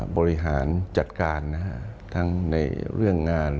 บริหารจัดการทั้งในเรื่องงาน